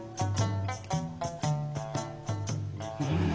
うん。